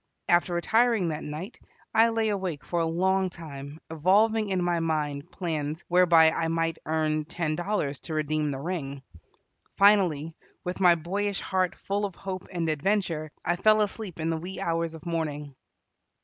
After retiring that night, I lay awake for a long time evolving in my mind plans whereby I might earn ten dollars to redeem the ring. Finally, with my boyish heart full of hope and adventure, I fell asleep in the wee hours of morning.